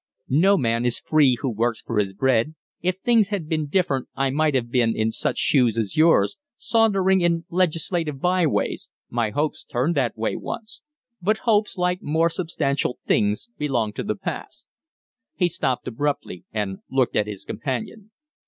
"No man is free who works for his bread. If things had been different I might have been in such shoes as yours, sauntering in legislative byways; my hopes turned that way once. But hopes, like more substantial things, belong to the past " He stopped abruptly and looked at his companion.